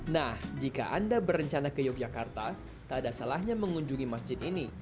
nah jika anda berencana ke yogyakarta tak ada salahnya mengunjungi masjid ini